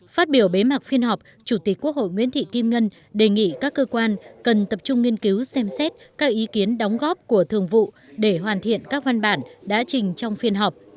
phát biểu bế mạc phiên họp chủ tịch quốc hội nguyễn thị kim ngân đề nghị các cơ quan cần tập trung nghiên cứu xem xét các ý kiến đóng góp của thường vụ để hoàn thiện các văn bản đã trình trong phiên họp